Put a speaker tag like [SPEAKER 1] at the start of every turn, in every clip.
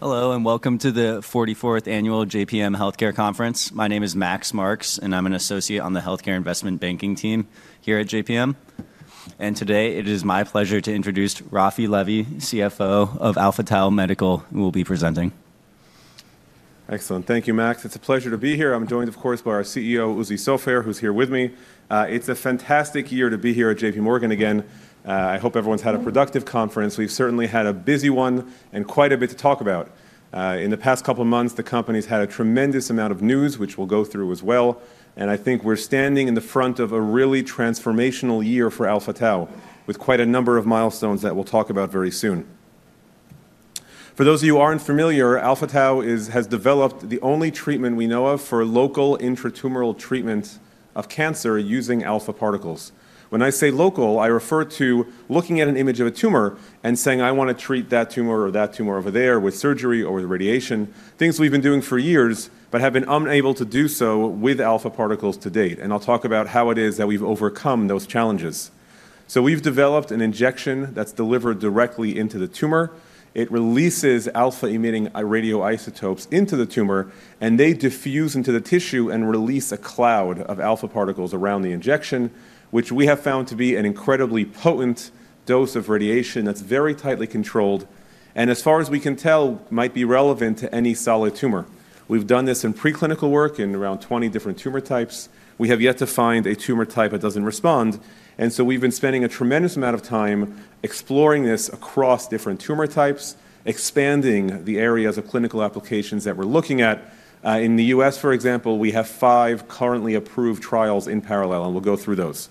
[SPEAKER 1] Hello and welcome to the 44th Annual JPM Healthcare Conference. My name is Max Marks, and I'm an associate on the Healthcare Investment Banking team here at JPM. And today, it is my pleasure to introduce Raphi Levy, CFO of Alpha Tau Medical, who will be presenting.
[SPEAKER 2] Excellent. Thank you, Max. It's a pleasure to be here. I'm joined, of course, by our CEO, Uzi Sofer, who's here with me. It's a fantastic year to be here at J.P. Morgan again. I hope everyone's had a productive conference. We've certainly had a busy one and quite a bit to talk about. In the past couple of months, the company's had a tremendous amount of news, which we'll go through as well, and I think we're standing in the front of a really transformational year for Alpha Tau, with quite a number of milestones that we'll talk about very soon. For those of you who aren't familiar, Alpha Tau has developed the only treatment we know of for local intratumoral treatment of cancer using alpha particles. When I say local, I refer to looking at an image of a tumor and saying, "I want to treat that tumor or that tumor over there with surgery or with radiation," things we've been doing for years but have been unable to do so with alpha particles to date. And I'll talk about how it is that we've overcome those challenges. So we've developed an injection that's delivered directly into the tumor. It releases alpha-emitting radioisotopes into the tumor, and they diffuse into the tissue and release a cloud of alpha particles around the injection, which we have found to be an incredibly potent dose of radiation that's very tightly controlled and, as far as we can tell, might be relevant to any solid tumor. We've done this in preclinical work in around 20 different tumor types. We have yet to find a tumor type that doesn't respond. We've been spending a tremendous amount of time exploring this across different tumor types, expanding the areas of clinical applications that we're looking at. In the U.S., for example, we have five currently approved trials in parallel, and we'll go through those.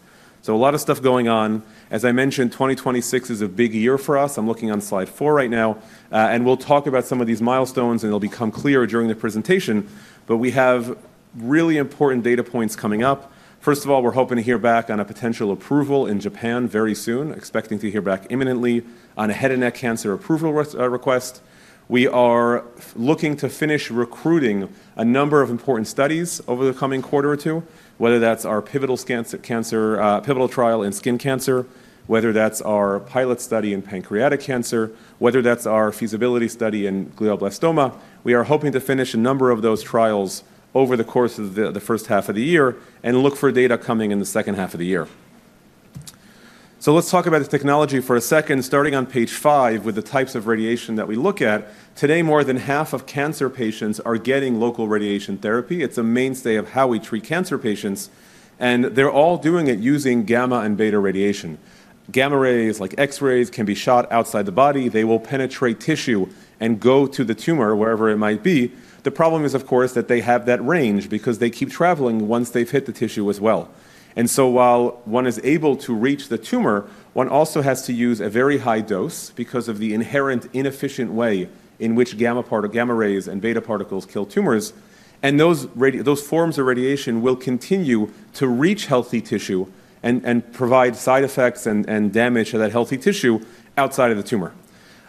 [SPEAKER 2] A lot of stuff going on. As I mentioned, 2026 is a big year for us. I'm looking on slide four right now. We'll talk about some of these milestones, and it'll become clearer during the presentation. We have really important data points coming up. First of all, we're hoping to hear back on a potential approval in Japan very soon, expecting to hear back imminently on a head and neck cancer approval request. We are looking to finish recruiting a number of important studies over the coming quarter or two, whether that's our pivotal trial in skin cancer, whether that's our pilot study in pancreatic cancer, whether that's our feasibility study in glioblastoma. We are hoping to finish a number of those trials over the course of the first half of the year and look for data coming in the second half of the year. So let's talk about the technology for a second, starting on page five with the types of radiation that we look at. Today, more than half of cancer patients are getting local radiation therapy. It's a mainstay of how we treat cancer patients. And they're all doing it using gamma and beta radiation. Gamma rays, like X-rays, can be shot outside the body. They will penetrate tissue and go to the tumor, wherever it might be. The problem is, of course, that they have that range because they keep traveling once they've hit the tissue as well. And so while one is able to reach the tumor, one also has to use a very high dose because of the inherent inefficient way in which gamma rays and beta particles kill tumors. And those forms of radiation will continue to reach healthy tissue and provide side effects and damage to that healthy tissue outside of the tumor.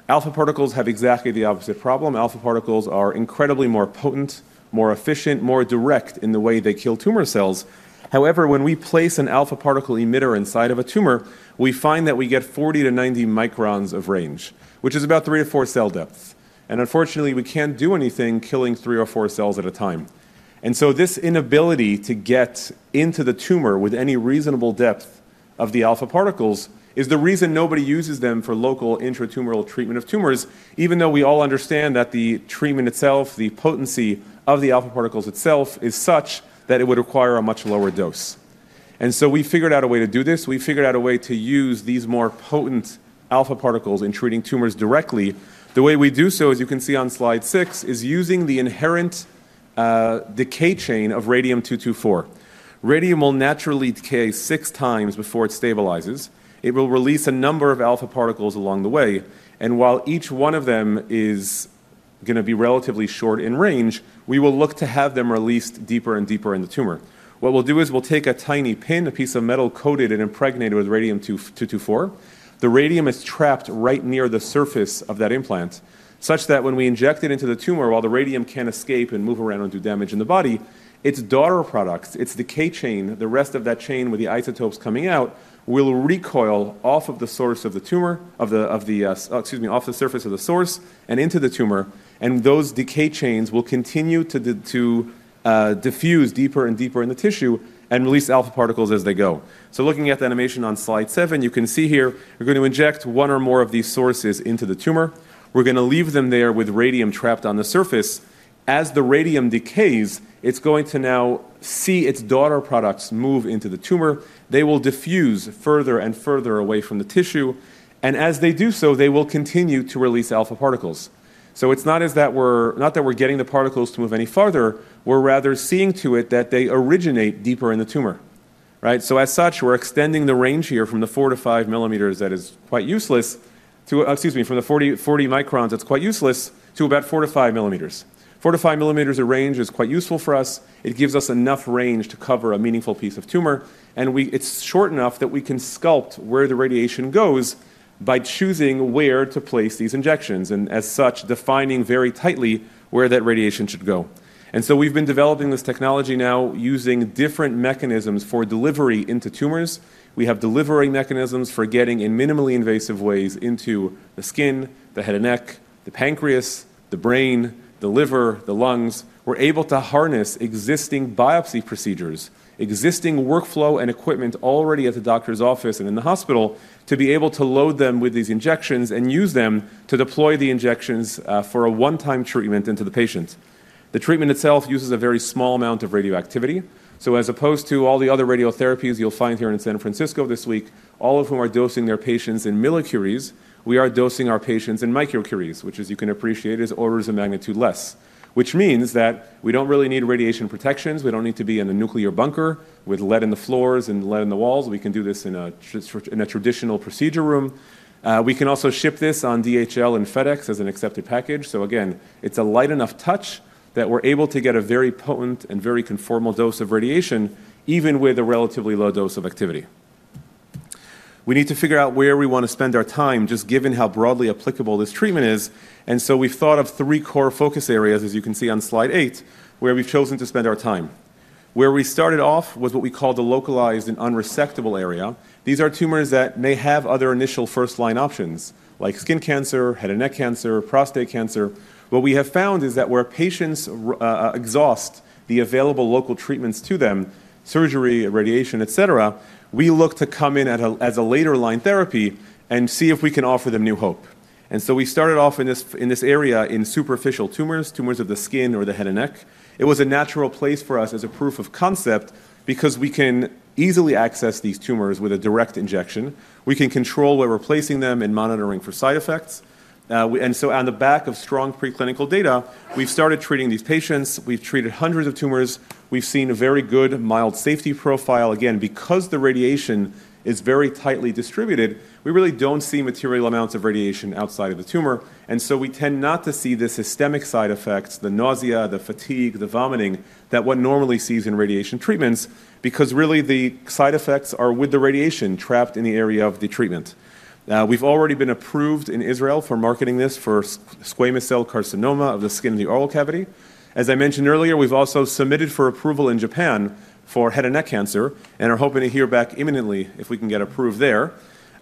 [SPEAKER 2] Alpha particles have exactly the opposite problem. Alpha particles are incredibly more potent, more efficient, more direct in the way they kill tumor cells. However, when we place an alpha particle emitter inside of a tumor, we find that we get 40-90 microns of range, which is about three to four cell depths. And unfortunately, we can't do anything killing three or four cells at a time. And so this inability to get into the tumor with any reasonable depth of the alpha particles is the reason nobody uses them for local intratumoral treatment of tumors, even though we all understand that the treatment itself, the potency of the alpha particles itself, is such that it would require a much lower dose. And so we figured out a way to do this. We figured out a way to use these more potent alpha particles in treating tumors directly. The way we do so, as you can see on slide six, is using the inherent decay chain of radium-224. Radium will naturally decay six times before it stabilizes. It will release a number of alpha particles along the way. And while each one of them is going to be relatively short in range, we will look to have them released deeper and deeper in the tumor. What we'll do is we'll take a tiny pin, a piece of metal coated and impregnated with radium-224. The radium is trapped right near the surface of that implant, such that when we inject it into the tumor, while the radium can escape and move around and do damage in the body, its daughter products, its decay chain, the rest of that chain with the isotopes coming out, will recoil off of the source of the tumor, excuse me, off the surface of the source and into the tumor, and those decay chains will continue to diffuse deeper and deeper in the tissue and release alpha particles as they go, so looking at the animation on slide seven, you can see here we're going to inject one or more of these sources into the tumor. We're going to leave them there with radium trapped on the surface. As the radium decays, it's going to now see its daughter products move into the tumor. They will diffuse further and further away from the tissue. And as they do so, they will continue to release alpha particles. So it's not that we're getting the particles to move any farther. We're rather seeing to it that they originate deeper in the tumor. So as such, we're extending the range here from the four to five millimeters that is quite useless to, excuse me, from the 40 microns that's quite useless to about four to five millimeters. Four to five millimeters of range is quite useful for us. It gives us enough range to cover a meaningful piece of tumor. It's short enough that we can sculpt where the radiation goes by choosing where to place these injections and, as such, defining very tightly where that radiation should go. We've been developing this technology now using different mechanisms for delivery into tumors. We have delivery mechanisms for getting in minimally invasive ways into the skin, the head and neck, the pancreas, the brain, the liver, the lungs. We're able to harness existing biopsy procedures, existing workflow and equipment already at the doctor's office and in the hospital to be able to load them with these injections and use them to deploy the injections for a one-time treatment into the patient. The treatment itself uses a very small amount of radioactivity. As opposed to all the other radiotherapies you'll find here in San Francisco this week, all of whom are dosing their patients in millicuries, we are dosing our patients in microcuries, which, as you can appreciate, is orders of magnitude less, which means that we don't really need radiation protections. We don't need to be in a nuclear bunker with lead in the floors and lead in the walls. We can do this in a traditional procedure room. We can also ship this on DHL and FedEx as an accepted package. So again, it's a light enough touch that we're able to get a very potent and very conformal dose of radiation, even with a relatively low dose of activity. We need to figure out where we want to spend our time, just given how broadly applicable this treatment is. And so we've thought of three core focus areas, as you can see on slide eight, where we've chosen to spend our time. Where we started off was what we called the localized and unresectable area. These are tumors that may have other initial first-line options, like skin cancer, head and neck cancer, prostate cancer. What we have found is that where patients exhaust the available local treatments to them, surgery, radiation, et cetera, we look to come in as a later-line therapy and see if we can offer them new hope. And so we started off in this area in superficial tumors, tumors of the skin or the head and neck. It was a natural place for us as a proof of concept because we can easily access these tumors with a direct injection. We can control where we're placing them and monitoring for side effects. On the back of strong preclinical data, we've started treating these patients. We've treated hundreds of tumors. We've seen a very good, mild safety profile. Again, because the radiation is very tightly distributed, we really don't see material amounts of radiation outside of the tumor. And so we tend not to see the systemic side effects, the nausea, the fatigue, the vomiting that one normally sees in radiation treatments, because really the side effects are with the radiation trapped in the area of the treatment. We've already been approved in Israel for marketing this for squamous cell carcinoma of the skin of the oral cavity. As I mentioned earlier, we've also submitted for approval in Japan for head and neck cancer and are hoping to hear back imminently if we can get approved there.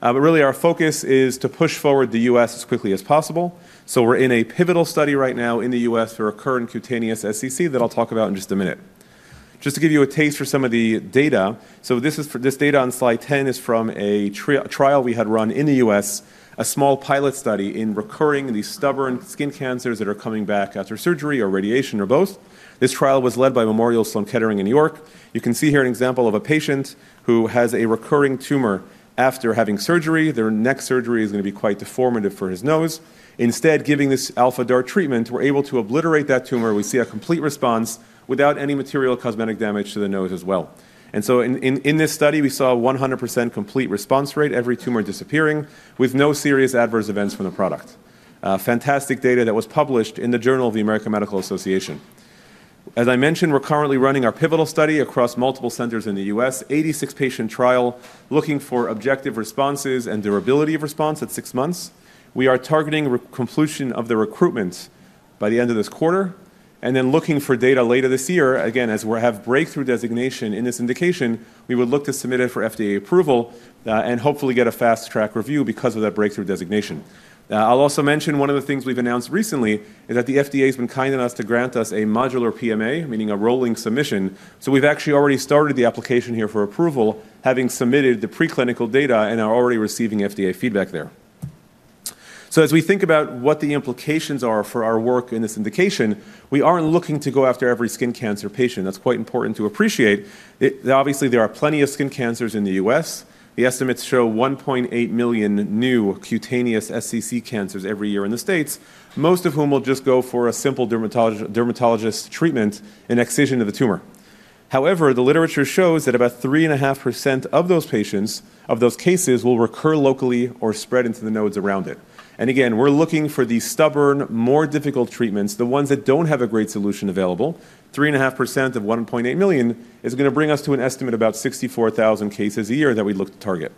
[SPEAKER 2] But really, our focus is to push forward the U.S. as quickly as possible. We're in a pivotal study right now in the U.S. for recurrent cutaneous SCC that I'll talk about in just a minute. Just to give you a taste for some of the data, this data on slide 10 is from a trial we had run in the U.S., a small pilot study in recurring these stubborn skin cancers that are coming back after surgery or radiation or both. This trial was led by Memorial Sloan Kettering in New York. You can see here an example of a patient who has a recurring tumor after having surgery. Their neck surgery is going to be quite deforming for his nose. Instead, giving this Alpha DaRT treatment, we're able to obliterate that tumor. We see a complete response without any material cosmetic damage to the nose as well. In this study, we saw a 100% complete response rate, every tumor disappearing with no serious adverse events from the product. Fantastic data that was published in the Journal of the American Medical Association. As I mentioned, we're currently running our pivotal study across multiple centers in the U.S., 86-patient trial looking for objective responses and durability of response at six months. We are targeting completion of the recruitment by the end of this quarter and then looking for data later this year. Again, as we have breakthrough designation in this indication, we would look to submit it for FDA approval and hopefully get a fast-track review because of that breakthrough designation. I'll also mention one of the things we've announced recently is that the FDA has been kind enough to grant us a modular PMA, meaning a rolling submission. So we've actually already started the application here for approval, having submitted the preclinical data and are already receiving FDA feedback there. So as we think about what the implications are for our work in this indication, we aren't looking to go after every skin cancer patient. That's quite important to appreciate. Obviously, there are plenty of skin cancers in the U.S. The estimates show 1.8 million new cutaneous SCC cancers every year in the States, most of whom will just go for a simple dermatologist treatment and excision of the tumor. However, the literature shows that about 3.5% of those patients, of those cases, will recur locally or spread into the nodes around it. And again, we're looking for these stubborn, more difficult treatments, the ones that don't have a great solution available. 3.5% of 1.8 million is going to bring us to an estimate of about 64,000 cases a year that we'd look to target.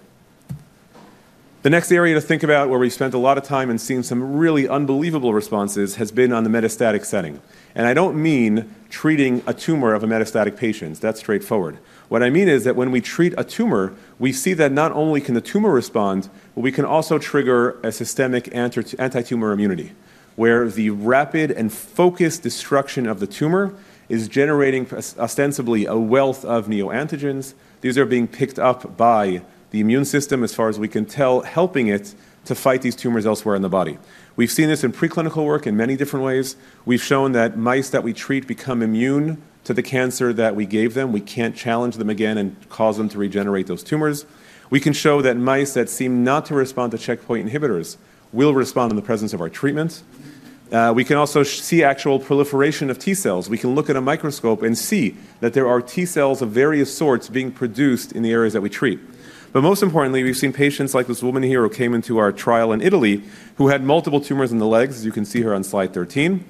[SPEAKER 2] The next area to think about where we spent a lot of time and seen some really unbelievable responses has been on the metastatic setting. And I don't mean treating a tumor of a metastatic patient. That's straightforward. What I mean is that when we treat a tumor, we see that not only can the tumor respond, but we can also trigger a systemic anti-tumor immunity, where the rapid and focused destruction of the tumor is generating ostensibly a wealth of neoantigens. These are being picked up by the immune system, as far as we can tell, helping it to fight these tumors elsewhere in the body. We've seen this in preclinical work in many different ways. We've shown that mice that we treat become immune to the cancer that we gave them. We can't challenge them again and cause them to regenerate those tumors. We can show that mice that seem not to respond to checkpoint inhibitors will respond in the presence of our treatment. We can also see actual proliferation of T cells. We can look at a microscope and see that there are T cells of various sorts being produced in the areas that we treat. But most importantly, we've seen patients like this woman here who came into our trial in Italy who had multiple tumors in the legs. You can see her on slide 13.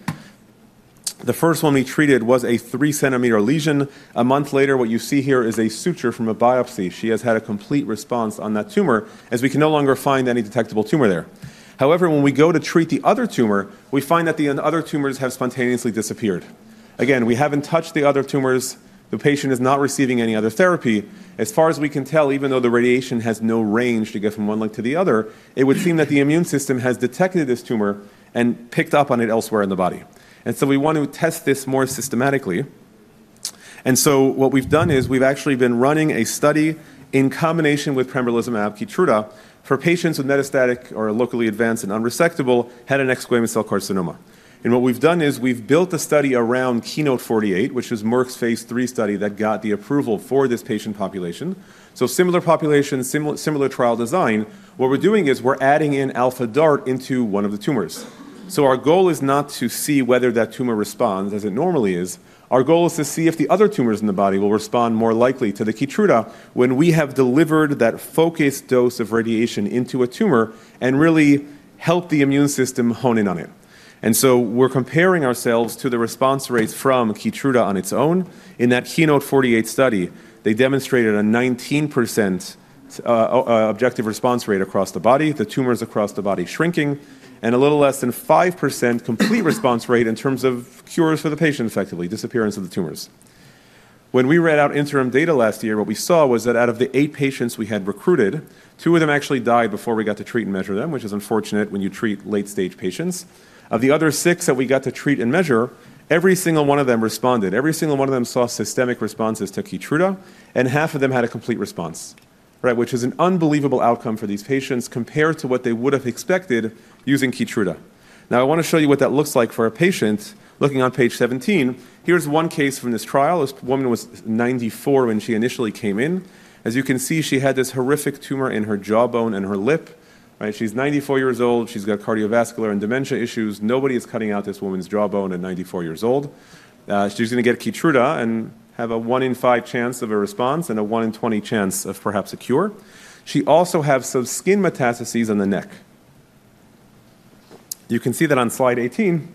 [SPEAKER 2] The first one we treated was a three-centimeter lesion. A month later, what you see here is a suture from a biopsy. She has had a complete response on that tumor, as we can no longer find any detectable tumor there. However, when we go to treat the other tumor, we find that the other tumors have spontaneously disappeared. Again, we haven't touched the other tumors. The patient is not receiving any other therapy. As far as we can tell, even though the radiation has no range to get from one leg to the other, it would seem that the immune system has detected this tumor and picked up on it elsewhere in the body, and so we want to test this more systematically, and so what we've done is we've actually been running a study in combination with pembrolizumab KEYTRUDA for patients with metastatic or locally advanced and unresectable head and neck squamous cell carcinoma. And what we've done is we've built a study around KEYNOTE-048, which is Merck's phase III study that got the approval for this patient population. So similar population, similar trial design. What we're doing is we're adding in Alpha DaRT into one of the tumors. So our goal is not to see whether that tumor responds as it normally is. Our goal is to see if the other tumors in the body will respond more likely to the KEYTRUDA when we have delivered that focused dose of radiation into a tumor and really helped the immune system hone in on it. And so we're comparing ourselves to the response rates from KEYTRUDA on its own. In that KEYNOTE-048 study, they demonstrated a 19% objective response rate across the body, the tumors across the body shrinking, and a little less than 5% complete response rate in terms of cures for the patient, effectively disappearance of the tumors. When we read out interim data last year, what we saw was that out of the eight patients we had recruited, two of them actually died before we got to treat and measure them, which is unfortunate when you treat late-stage patients. Of the other six that we got to treat and measure, every single one of them responded. Every single one of them saw systemic responses to KEYTRUDA, and half of them had a complete response, which is an unbelievable outcome for these patients compared to what they would have expected using KEYTRUDA. Now, I want to show you what that looks like for a patient. Looking on page 17, here's one case from this trial. This woman was 94 when she initially came in. As you can see, she had this horrific tumor in her jawbone and her lip. She's 94 years old. She's got cardiovascular and dementia issues. Nobody is cutting out this woman's jawbone at 94 years old. She's going to get KEYTRUDA and have a one in five chance of a response and a one in 20 chance of perhaps a cure. She also has some skin metastases on the neck. You can see that on slide 18,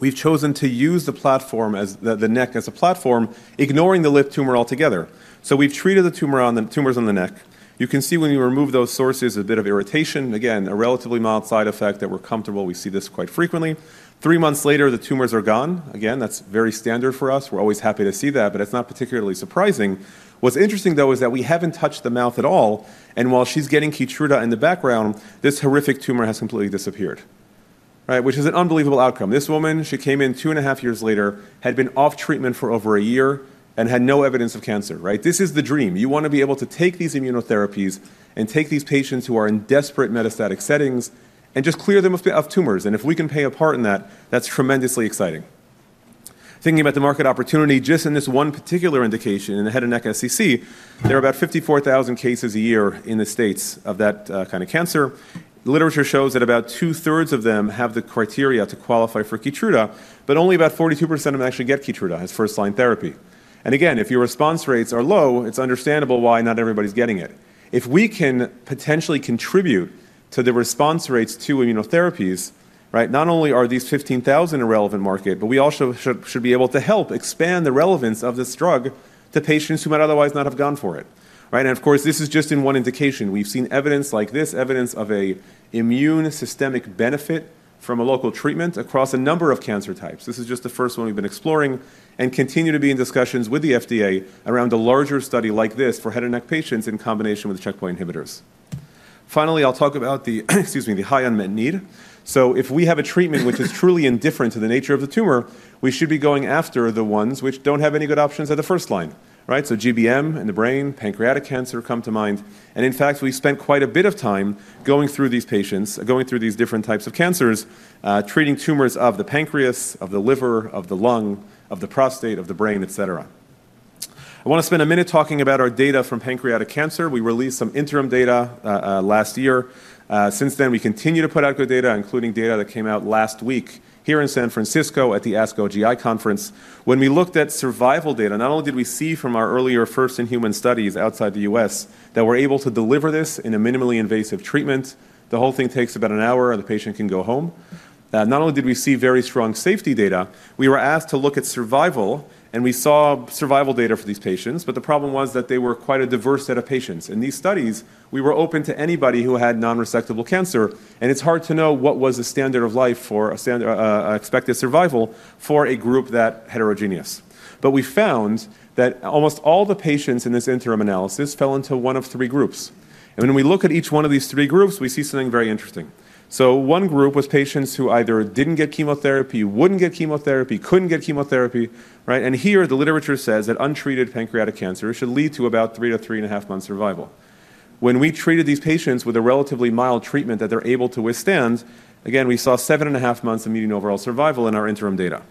[SPEAKER 2] we've chosen to use the platform, the neck as a platform, ignoring the lip tumor altogether. So we've treated the tumors on the neck. You can see when we remove those sources, a bit of irritation. Again, a relatively mild side effect that we're comfortable. We see this quite frequently. Three months later, the tumors are gone. Again, that's very standard for us. We're always happy to see that, but it's not particularly surprising. What's interesting, though, is that we haven't touched the mouth at all, and while she's getting KEYTRUDA in the background, this horrific tumor has completely disappeared, which is an unbelievable outcome. This woman, she came in two and a half years later, had been off treatment for over a year and had no evidence of cancer. This is the dream. You want to be able to take these immunotherapies and take these patients who are in desperate metastatic settings and just clear them of tumors, and if we can play a part in that, that's tremendously exciting. Thinking about the market opportunity, just in this one particular indication in the head and neck SCC, there are about 54,000 cases a year in the States of that kind of cancer. Literature shows that about two-thirds of them have the criteria to qualify for KEYTRUDA, but only about 42% of them actually get KEYTRUDA as first-line therapy, and again, if your response rates are low, it's understandable why not everybody's getting it. If we can potentially contribute to the response rates to immunotherapies, not only are these 15,000 a relevant market, but we also should be able to help expand the relevance of this drug to patients who might otherwise not have gone for it, and of course, this is just in one indication. We've seen evidence like this, evidence of an immune systemic benefit from a local treatment across a number of cancer types. This is just the first one we've been exploring and continue to be in discussions with the FDA around a larger study like this for head and neck patients in combination with checkpoint inhibitors. Finally, I'll talk about the, excuse me, the high unmet need. So if we have a treatment which is truly indifferent to the nature of the tumor, we should be going after the ones which don't have any good options at the first line. So GBM and the brain, pancreatic cancer come to mind. And in fact, we spent quite a bit of time going through these patients, going through these different types of cancers, treating tumors of the pancreas, of the liver, of the lung, of the prostate, of the brain, et cetera. I want to spend a minute talking about our data from pancreatic cancer. We released some interim data last year. Since then, we continue to put out good data, including data that came out last week here in San Francisco at the ASCO GI Conference. When we looked at survival data, not only did we see from our earlier first-in-human studies outside the U.S. that we're able to deliver this in a minimally invasive treatment, the whole thing takes about an hour, and the patient can go home. Not only did we see very strong safety data, we were asked to look at survival, and we saw survival data for these patients. But the problem was that they were quite a diverse set of patients. In these studies, we were open to anybody who had non-resectable cancer. And it's hard to know what was the standard of life for expected survival for a group that heterogeneous. But we found that almost all the patients in this interim analysis fell into one of three groups. And when we look at each one of these three groups, we see something very interesting. So one group was patients who either didn't get chemotherapy, wouldn't get chemotherapy, couldn't get chemotherapy. And here, the literature says that untreated pancreatic cancer should lead to about three to three and a half months survival. When we treated these patients with a relatively mild treatment that they're able to withstand, again, we saw seven and a half months of median overall survival in our interim data.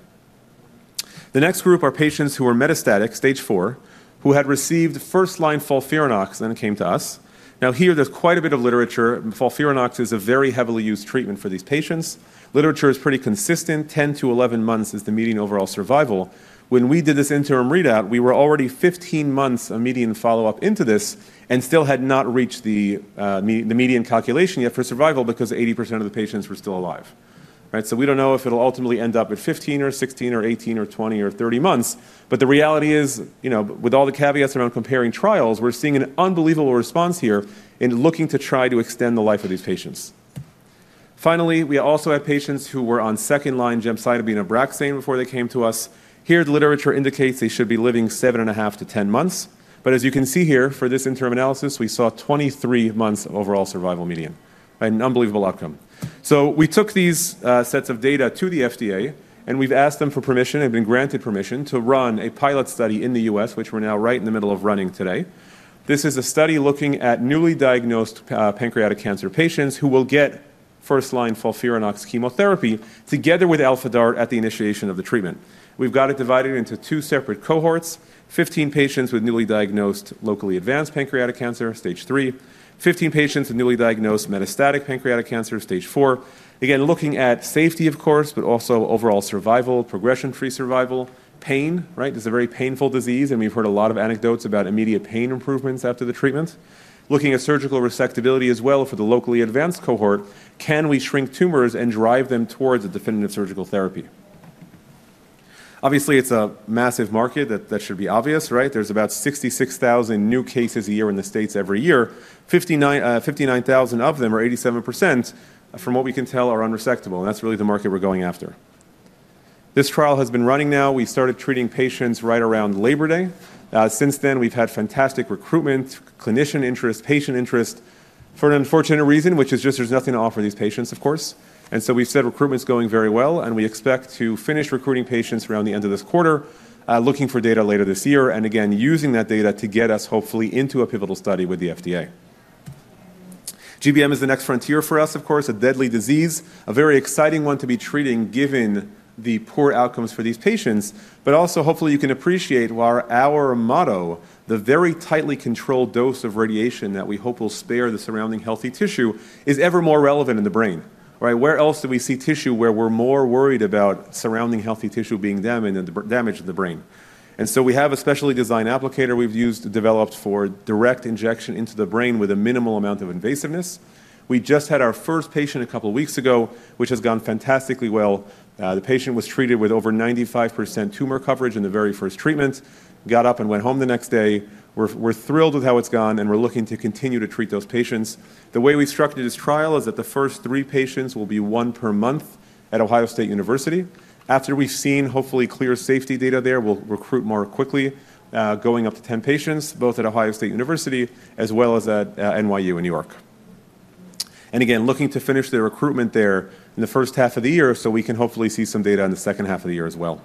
[SPEAKER 2] The next group are patients who are metastatic, stage four, who had received first-line FOLFIRINOX and then came to us. Now, here, there's quite a bit of literature. FOLFIRINOX is a very heavily used treatment for these patients. Literature is pretty consistent. 10 to 11 months is the median overall survival. When we did this interim readout, we were already 15 months of median follow-up into this and still had not reached the median calculation yet for survival because 80% of the patients were still alive. So we don't know if it'll ultimately end up at 15 or 16 or 18 or 20 or 30 months. But the reality is, with all the caveats around comparing trials, we're seeing an unbelievable response here in looking to try to extend the life of these patients. Finally, we also have patients who were on second-line gemcitabine Abraxane before they came to us. Here, the literature indicates they should be living seven and a half to 10 months. But as you can see here, for this interim analysis, we saw 23 months of overall survival median, an unbelievable outcome. We took these sets of data to the FDA, and we've asked them for permission and been granted permission to run a pilot study in the U.S., which we're now right in the middle of running today. This is a study looking at newly diagnosed pancreatic cancer patients who will get first-line FOLFIRINOX chemotherapy together with Alpha DaRT at the initiation of the treatment. We've got it divided into two separate cohorts: 15 patients with newly diagnosed locally advanced pancreatic cancer, stage three, 15 patients with newly diagnosed metastatic pancreatic cancer, stage four. Again, looking at safety, of course, but also overall survival, progression-free survival, pain. It's a very painful disease, and we've heard a lot of anecdotes about immediate pain improvements after the treatment. Looking at surgical resectability as well for the locally advanced cohort, can we shrink tumors and drive them towards a definitive surgical therapy? Obviously, it's a massive market. That should be obvious. There's about 66,000 new cases a year in the States every year. 59,000 of them, or 87%, from what we can tell, are unresectable. And that's really the market we're going after. This trial has been running now. We started treating patients right around Labor Day. Since then, we've had fantastic recruitment, clinician interest, patient interest for an unfortunate reason, which is just there's nothing to offer these patients, of course. And so we've said recruitment's going very well, and we expect to finish recruiting patients around the end of this quarter, looking for data later this year, and again, using that data to get us hopefully into a pivotal study with the FDA. GBM is the next frontier for us, of course, a deadly disease, a very exciting one to be treating given the poor outcomes for these patients. But also, hopefully, you can appreciate why our motto, the very tightly controlled dose of radiation that we hope will spare the surrounding healthy tissue, is ever more relevant in the brain. Where else do we see tissue where we're more worried about surrounding healthy tissue being damaged in the brain? And so we have a specially designed applicator we've developed for direct injection into the brain with a minimal amount of invasiveness. We just had our first patient a couple of weeks ago, which has gone fantastically well. The patient was treated with over 95% tumor coverage in the very first treatment, got up and went home the next day. We're thrilled with how it's gone, and we're looking to continue to treat those patients. The way we structured this trial is that the first three patients will be one per month at Ohio State University. After we've seen hopefully clear safety data there, we'll recruit more quickly, going up to 10 patients, both at Ohio State University as well as at NYU in New York. And again, looking to finish the recruitment there in the first half of the year so we can hopefully see some data in the second half of the year as well.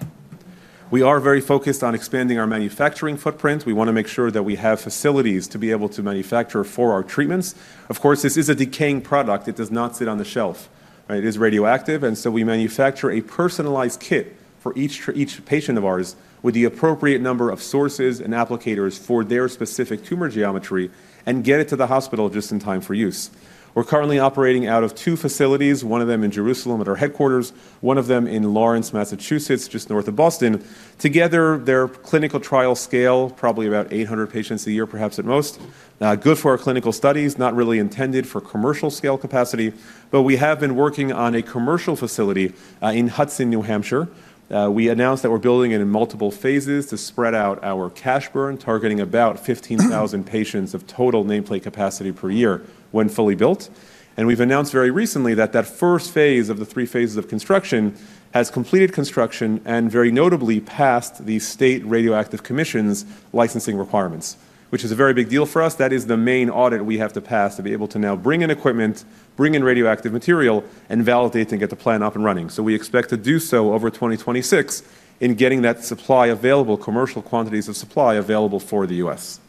[SPEAKER 2] We are very focused on expanding our manufacturing footprint. We want to make sure that we have facilities to be able to manufacture for our treatments. Of course, this is a decaying product. It does not sit on the shelf. It is radioactive. And so we manufacture a personalized kit for each patient of ours with the appropriate number of sources and applicators for their specific tumor geometry and get it to the hospital just in time for use. We're currently operating out of two facilities, one of them in Jerusalem at our headquarters, one of them in Lawrence, Massachusetts, just north of Boston. Together, they're clinical trial scale, probably about 800 patients a year, perhaps at most. Good for our clinical studies, not really intended for commercial scale capacity. We have been working on a commercial facility in Hudson, New Hampshire. We announced that we're building it in multiple phases to spread out our cash burn targeting about 15,000 patients of total nameplate capacity per year when fully built. We've announced very recently that that first phase of the three phases of construction has completed construction and very notably passed the state radioactive commission's licensing requirements, which is a very big deal for us. That is the main audit we have to pass to be able to now bring in equipment, bring in radioactive material, and validate and get the plan up and running, so we expect to do so over 2026 in getting that supply available, commercial quantities of supply available for the U.S.,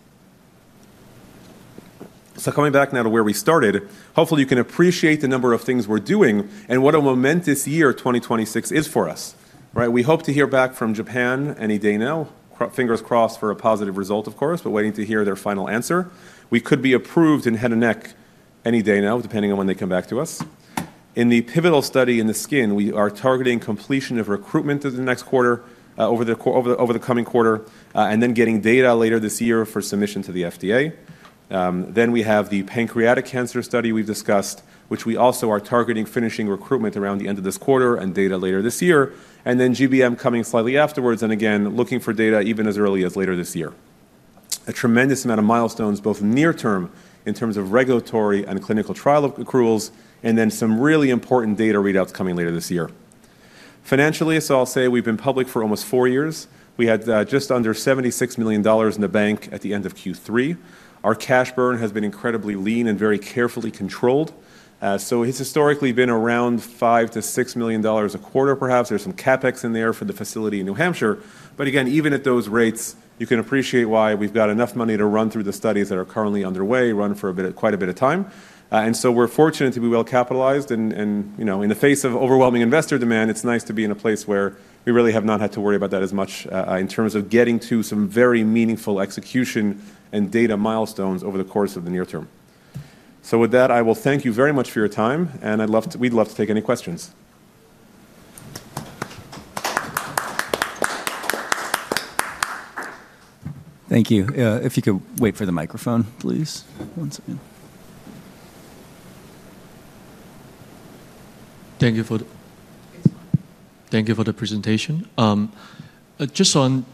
[SPEAKER 2] so coming back now to where we started, hopefully, you can appreciate the number of things we're doing and what a momentous year 2026 is for us. We hope to hear back from Japan any day now. Fingers crossed for a positive result, of course, but waiting to hear their final answer. We could be approved in head and neck any day now, depending on when they come back to us. In the pivotal study in the skin, we are targeting completion of recruitment in the next quarter, over the coming quarter, and then getting data later this year for submission to the FDA. Then we have the pancreatic cancer study we've discussed, which we also are targeting finishing recruitment around the end of this quarter and data later this year, and then GBM coming slightly afterwards and again looking for data even as early as later this year. A tremendous amount of milestones, both near-term in terms of regulatory and clinical trial accruals, and then some really important data readouts coming later this year. Financially, so I'll say we've been public for almost four years. We had just under $76 million in the bank at the end of Q3. Our cash burn has been incredibly lean and very carefully controlled. So it's historically been around $5 million-$6 million a quarter, perhaps. There's some CapEx in there for the facility in New Hampshire. But again, even at those rates, you can appreciate why we've got enough money to run through the studies that are currently underway, run for quite a bit of time. And so we're fortunate to be well capitalized. And in the face of overwhelming investor demand, it's nice to be in a place where we really have not had to worry about that as much in terms of getting to some very meaningful execution and data milestones over the course of the near term. So with that, I will thank you very much for your time. And we'd love to take any questions.
[SPEAKER 1] Thank you. If you could wait for the microphone, please. One second. Thank you for the presentation. Just on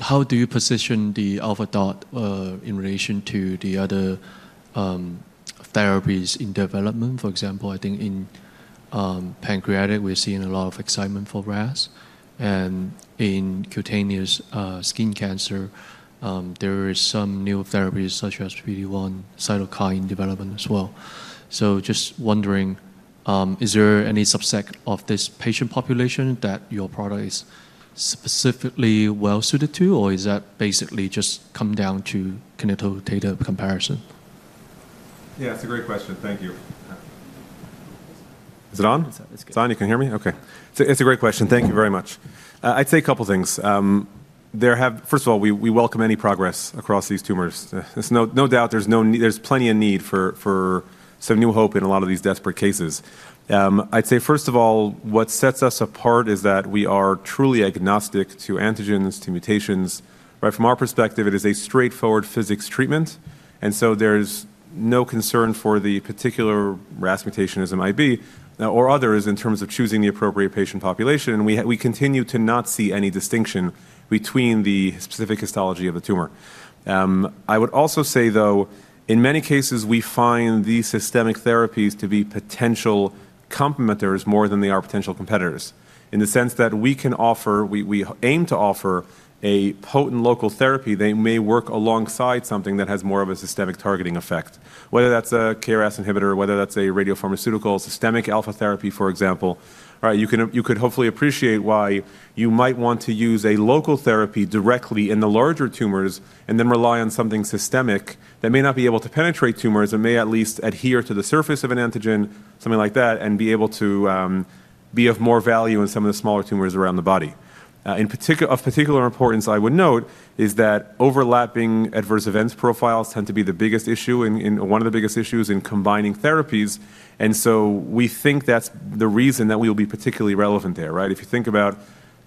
[SPEAKER 1] how do you position the Alpha DaRT in relation to the other therapies in development? For example, I think in pancreatic, we're seeing a lot of excitement for RAS. And in cutaneous skin cancer, there are some new therapies such as PD-1 cytokine development as well. So just wondering, is there any subset of this patient population that your product is specifically well suited to, or is that basically just come down to clinical data comparison?
[SPEAKER 2] Yeah, it's a great question. Thank you. Is it on? It's good. It's on. You can hear me? Okay. It's a great question. Thank you very much. I'd say a couple of things. First of all, we welcome any progress across these tumors. There's no doubt there's plenty of need for some new hope in a lot of these desperate cases. I'd say, first of all, what sets us apart is that we are truly agnostic to antigens, to mutations. From our perspective, it is a straightforward physics treatment. And so there's no concern for the particular RAS mutation as it might be or others in terms of choosing the appropriate patient population. And we continue to not see any distinction between the specific histology of the tumor. I would also say, though, in many cases, we find these systemic therapies to be potential complementaries more than they are potential competitors in the sense that we can offer, we aim to offer a potent local therapy that may work alongside something that has more of a systemic targeting effect, whether that's a KRAS inhibitor, whether that's a radiopharmaceutical systemic alpha therapy, for example. You could hopefully appreciate why you might want to use a local therapy directly in the larger tumors and then rely on something systemic that may not be able to penetrate tumors and may at least adhere to the surface of an antigen, something like that, and be able to be of more value in some of the smaller tumors around the body. Of particular importance, I would note, is that overlapping adverse events profiles tend to be the biggest issue, one of the biggest issues in combining therapies. And so we think that's the reason that we will be particularly relevant there. If you think about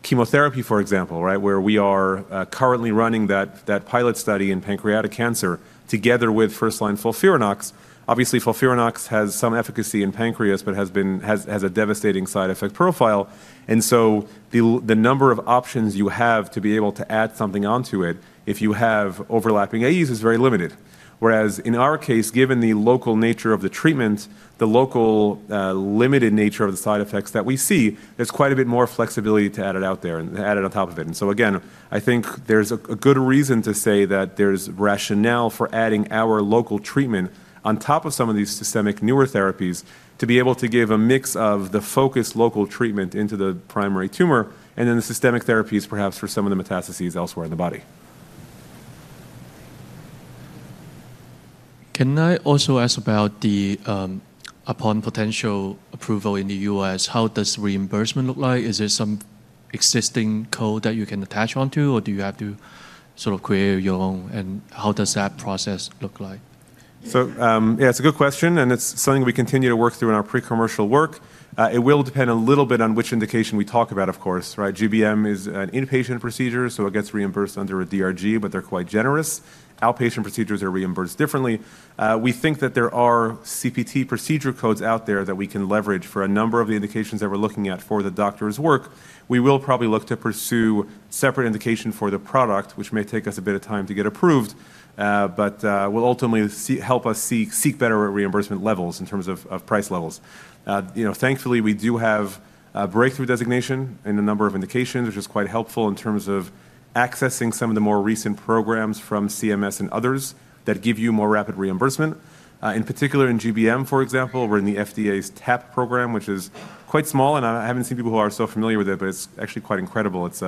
[SPEAKER 2] chemotherapy, for example, where we are currently running that pilot study in pancreatic cancer together with first-line FOLFIRINOX, obviously, FOLFIRINOX has some efficacy in pancreas but has a devastating side effect profile. And so the number of options you have to be able to add something onto it if you have overlapping AEs is very limited. Whereas in our case, given the local nature of the treatment, the local limited nature of the side effects that we see, there's quite a bit more flexibility to add it out there and add it on top of it. And so again, I think there's a good reason to say that there's rationale for adding our local treatment on top of some of these systemic newer therapies to be able to give a mix of the focused local treatment into the primary tumor and then the systemic therapies, perhaps, for some of the metastases elsewhere in the body.
[SPEAKER 1] Can I also ask about the potential approval in the U.S., how does reimbursement look like? Is there some existing code that you can attach onto, or do you have to create your own? And how does that process look like?
[SPEAKER 2] So yeah, it's a good question. And it's something we continue to work through in our pre-commercial work. It will depend a little bit on which indication we talk about, of course. GBM is an inpatient procedure, so it gets reimbursed under a DRG, but they're quite generous. Outpatient procedures are reimbursed differently. We think that there are CPT procedure codes out there that we can leverage for a number of the indications that we're looking at for the doctor's work. We will probably look to pursue separate indication for the product, which may take us a bit of time to get approved, but will ultimately help us seek better reimbursement levels in terms of price levels. Thankfully, we do have breakthrough designation in a number of indications, which is quite helpful in terms of accessing some of the more recent programs from CMS and others that give you more rapid reimbursement. In particular, in GBM, for example, we're in the FDA's TAP program, which is quite small. And I haven't seen people who are so familiar with it, but it's actually quite incredible. It's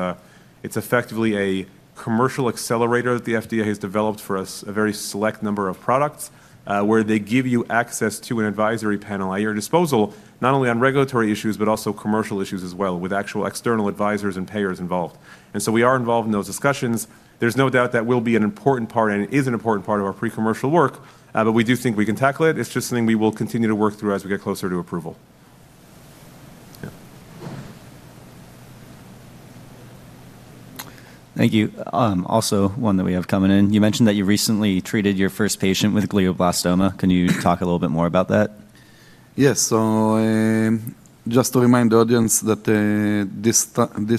[SPEAKER 2] effectively a commercial accelerator that the FDA has developed for a very select number of products where they give you access to an advisory panel at your disposal, not only on regulatory issues, but also commercial issues as well, with actual external advisors and payers involved. And so we are involved in those discussions. There's no doubt that will be an important part and is an important part of our pre-commercial work, but we do think we can tackle it. It's just something we will continue to work through as we get closer to approval.
[SPEAKER 1] Thank you. Also, one that we have coming in. You mentioned that you recently treated your first patient with glioblastoma. Can you talk a little bit more about that?
[SPEAKER 3] Yes. So just to remind the audience that this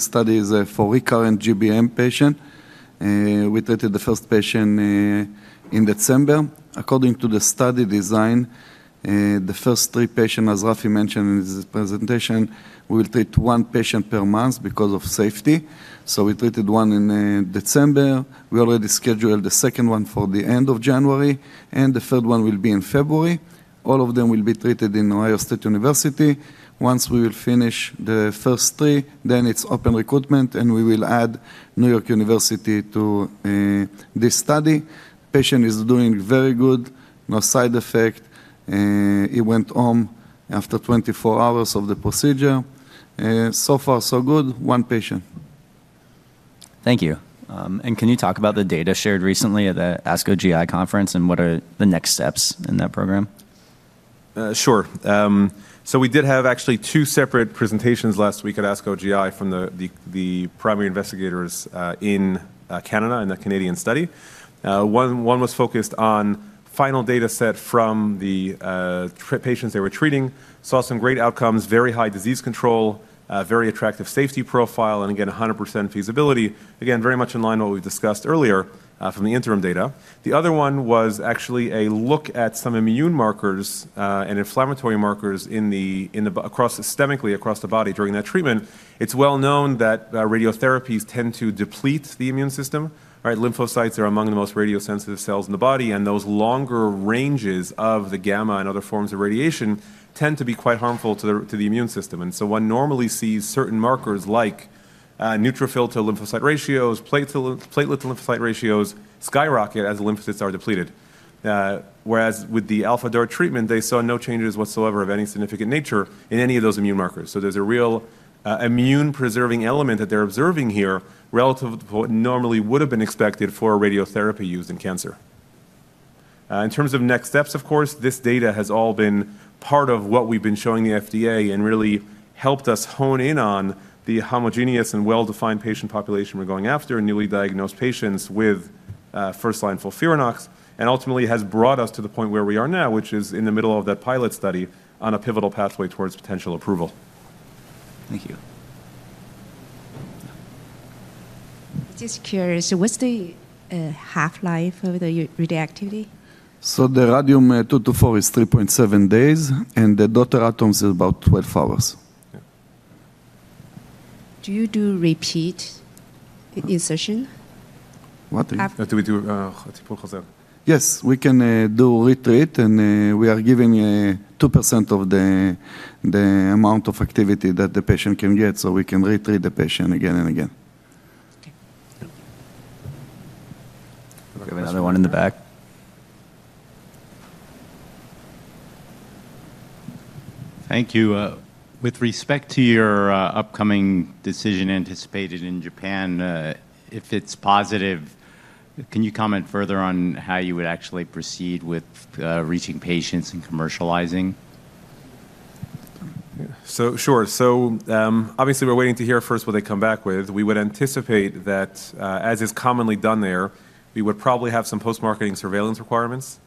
[SPEAKER 3] study is for recurrent GBM patients. We treated the first patient in December. According to the study design, the first three patients, as Raphi mentioned in his presentation, we will treat one patient per month because of safety. So we treated one in December. We already scheduled the second one for the end of January. And the third one will be in February. All of them will be treated in Ohio State University. Once we will finish the first three, then it's open recruitment, and we will add New York University to this study. Patient is doing very good. No side effect. He went home after 24 hours of the procedure. So far, so good. One patient.
[SPEAKER 1] Thank you. And can you talk about the data shared recently at the ASCO GI conference and what are the next steps in that program?
[SPEAKER 2] Sure. So we did have actually two separate presentations last week at ASCO GI from the primary investigators in Canada in the Canadian study. One was focused on final data set from the patients they were treating. Saw some great outcomes, very high disease control, very attractive safety profile, and again, 100% feasibility. Again, very much in line with what we've discussed earlier from the interim data. The other one was actually a look at some immune markers and inflammatory markers systemically across the body during that treatment. It's well known that radiotherapies tend to deplete the immune system. Lymphocytes are among the most radiosensitive cells in the body, and those longer ranges of the gamma and other forms of radiation tend to be quite harmful to the immune system. And so one normally sees certain markers like neutrophil to lymphocyte ratios, platelet to lymphocyte ratios skyrocket as the lymphocytes are depleted. Whereas with the Alpha DaRT treatment, they saw no changes whatsoever of any significant nature in any of those immune markers. So there's a real immune-preserving element that they're observing here relative to what normally would have been expected for radiotherapy used in cancer. In terms of next steps, of course, this data has all been part of what we've been showing the FDA and really helped us hone in on the homogeneous and well-defined patient population we're going after, newly diagnosed patients with first-line FOLFIRINOX, and ultimately has brought us to the point where we are now, which is in the middle of that pilot study on a pivotal pathway towards potential approval.
[SPEAKER 1] Thank you. I'm just curious. What's the half-life of the radioactivity?
[SPEAKER 3] The radium-224 is 3.7 days, and the daughter atoms is about 12 hours. Do you do repeat insertion? Yes. We can re-treat, and we are giving 2% of the amount of activity that the patient can get, so we can re-treat the patient again and again.
[SPEAKER 1] We have another one in the back. Thank you. With respect to your upcoming decision anticipated in Japan, if it's positive, can you comment further on how you would actually proceed with reaching patients and commercializing?
[SPEAKER 2] Sure. So obviously, we're waiting to hear first what they come back with. We would anticipate that, as is commonly done there, we would probably have some post-marketing surveillance requirements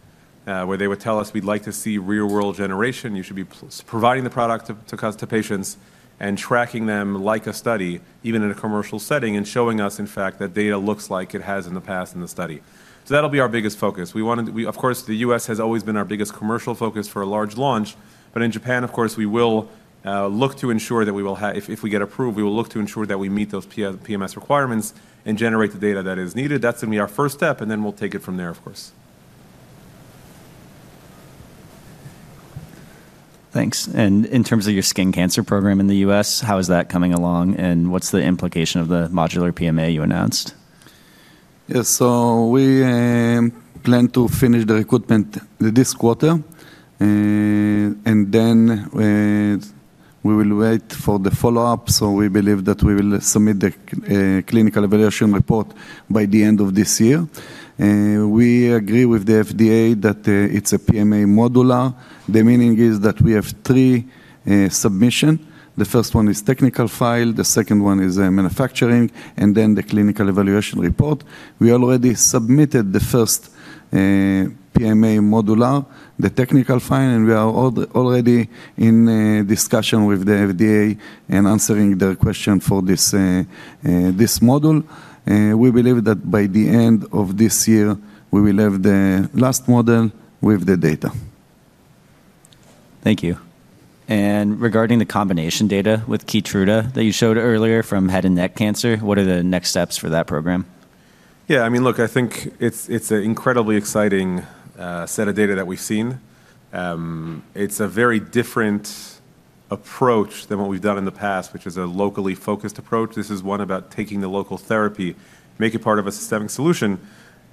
[SPEAKER 2] where they would tell us we'd like to see real-world generation. You should be providing the product to patients and tracking them like a study, even in a commercial setting, and showing us, in fact, that data looks like it has in the past in the study. So that'll be our biggest focus. Of course, the U.S. has always been our biggest commercial focus for a large launch. But in Japan, of course, we will look to ensure that we will, if we get approved, we will look to ensure that we meet those PMS requirements and generate the data that is needed. That's going to be our first step, and then we'll take it from there, of course.
[SPEAKER 1] Thanks. And in terms of your skin cancer program in the U.S., how is that coming along? And what's the implication of the modular PMA you announced?
[SPEAKER 3] Yes. So we plan to finish the recruitment this quarter. And then we will wait for the follow-up. So we believe that we will submit the clinical evaluation report by the end of this year. We agree with the FDA that it's a PMA module. The meaning is that we have three submissions. The first one is technical file. The second one is manufacturing. And then the clinical evaluation report. We already submitted the first PMA module, the technical file. And we are already in discussion with the FDA and answering their question for this module. We believe that by the end of this year, we will have the last module with the data.
[SPEAKER 1] Thank you, and regarding the combination data with KEYTRUDA that you showed earlier from head and neck cancer, what are the next steps for that program?
[SPEAKER 2] Yeah. I mean, look, I think it's an incredibly exciting set of data that we've seen. It's a very different approach than what we've done in the past, which is a locally focused approach. This is one about taking the local therapy, make it part of a systemic solution.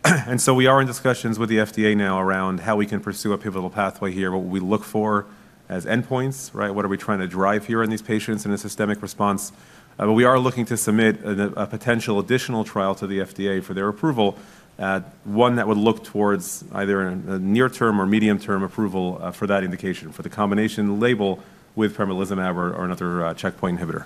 [SPEAKER 2] And so we are in discussions with the FDA now around how we can pursue a pivotal pathway here, what we look for as endpoints, what are we trying to drive here in these patients in a systemic response. But we are looking to submit a potential additional trial to the FDA for their approval, one that would look towards either a near-term or medium-term approval for that indication for the combination label with pembrolizumab or another checkpoint inhibitor.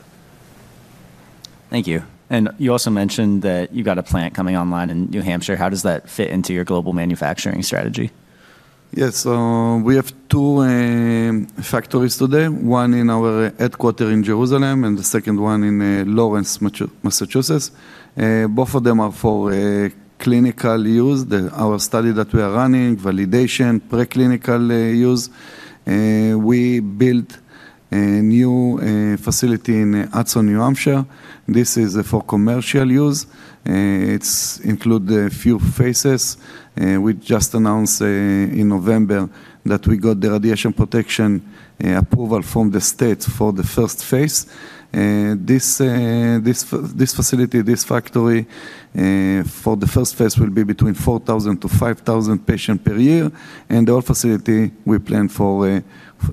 [SPEAKER 1] Thank you. And you also mentioned that you've got a plant coming online in New Hampshire. How does that fit into your global manufacturing strategy?
[SPEAKER 3] Yes. So we have two factories today, one in our headquarters in Jerusalem and the second one in Lawrence, Massachusetts. Both of them are for clinical use. Our study that we are running, validation, preclinical use. We built a new facility in Hudson, New Hampshire. This is for commercial use. It includes a few phases. We just announced in November that we got the radiation protection approval from the States for the first phase. This facility, this factory for the first phase will be between 4,000-5,000 patients per year. And the whole facility, we plan for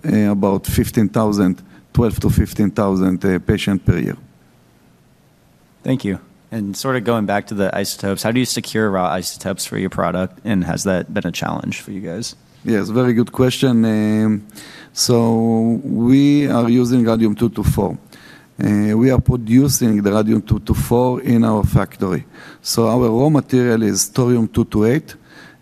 [SPEAKER 3] about 15,000, 12,000-15,000 patients per year.
[SPEAKER 1] Thank you. And sort of going back to the isotopes, how do you secure raw isotopes for your product? And has that been a challenge for you guys?
[SPEAKER 3] Yes. Very good question, so we are using radium-224. We are producing the radium-224 in our factory, so our raw material is thorium-228.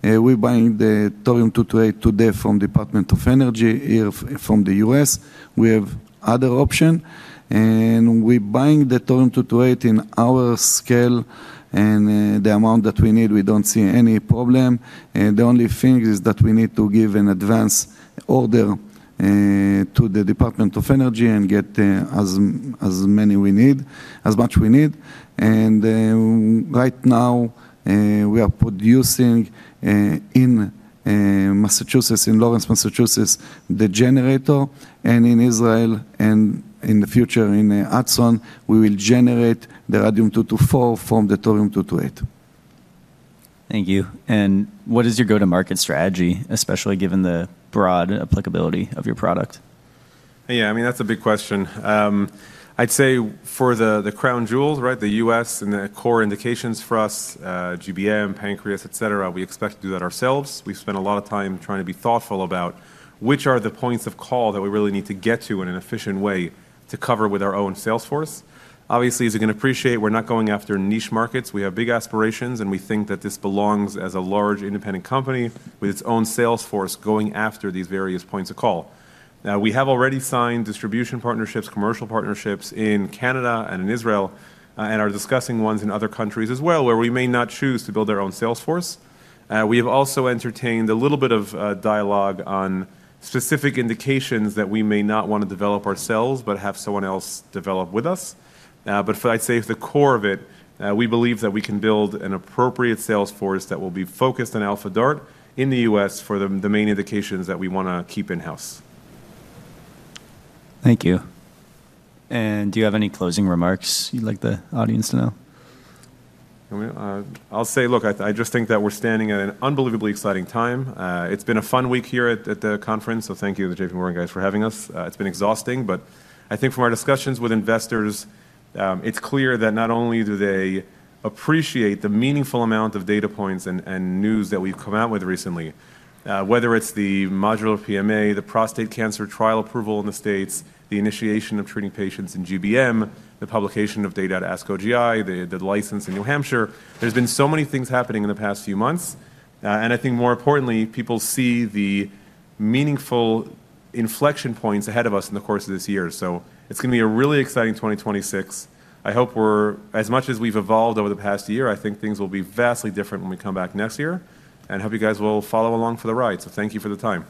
[SPEAKER 3] We're buying the thorium-228 today from the U.S. Department of Energy here from the U.S. We have other options, and we're buying the thorium-228 in our scale and the amount that we need. We don't see any problem. The only thing is that we need to give an advance order to the U.S. Department of Energy and get as many as much we need, and right now, we are producing in Massachusetts, in Lawrence, Massachusetts, the generator, and in Israel and in the future in Hudson, we will generate the radium-224 from the thorium-228.
[SPEAKER 1] Thank you. And what is your go-to-market strategy, especially given the broad applicability of your product?
[SPEAKER 2] Yeah. I mean, that's a big question. I'd say for the crown jewels, the U.S. and the core indications for us, GBM, pancreas, etc., we expect to do that ourselves. We spend a lot of time trying to be thoughtful about which are the points of call that we really need to get to in an efficient way to cover with our own sales force. Obviously, as you can appreciate, we're not going after niche markets. We have big aspirations, and we think that this belongs as a large independent company with its own sales force going after these various points of call. Now, we have already signed distribution partnerships, commercial partnerships in Canada and in Israel and are discussing ones in other countries as well where we may not choose to build our own sales force. We have also entertained a little bit of dialogue on specific indications that we may not want to develop ourselves but have someone else develop with us. But I'd say the core of it, we believe that we can build an appropriate sales force that will be focused on Alpha DaRT in the U.S. for the main indications that we want to keep in-house.
[SPEAKER 1] Thank you. And do you have any closing remarks you'd like the audience to know?
[SPEAKER 2] I'll say, look, I just think that we're standing at an unbelievably exciting time. It's been a fun week here at the conference. So thank you to the J.P. Morgan guys for having us. It's been exhausting. But I think from our discussions with investors, it's clear that not only do they appreciate the meaningful amount of data points and news that we've come out with recently, whether it's the modular PMA, the prostate cancer trial approval in the States, the initiation of treating patients in GBM, the publication of data at ASCO GI, the license in New Hampshire. There's been so many things happening in the past few months. And I think more importantly, people see the meaningful inflection points ahead of us in the course of this year. So it's going to be a really exciting 2026. I hope we're, as much as we've evolved over the past year, I think things will be vastly different when we come back next year. And I hope you guys will follow along for the ride. So thank you for the time.